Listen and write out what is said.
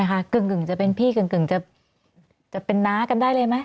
กึ่งจะเป็นพี่กึ่งจะเป็นน้ากันได้เลยไหม